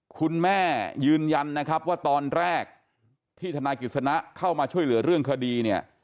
ยืนยันนะครับว่าตอนแรกที่ธนายกิจสนะเข้ามาช่วยเหลือเรื่องคดีเนี่ย